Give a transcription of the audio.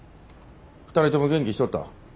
２人とも元気しとった？